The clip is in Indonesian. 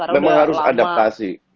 memang harus adaptasi